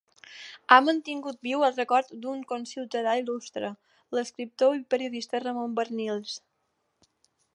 Ha mantingut viu el record d’un conciutadà il·lustre, l’escriptor i periodista Ramon Barnils.